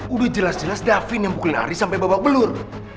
udah jelas jelas daphne yang bukul hari sampai babak belur